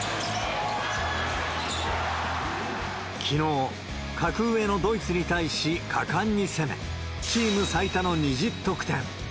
きのう、格上のドイツに対し果敢に攻め、チーム最多の２０得点。